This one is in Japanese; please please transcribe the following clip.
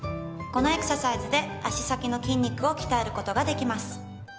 このエクササイズで足先の筋肉を鍛えることができます。